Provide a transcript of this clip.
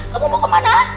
kamu mau kemana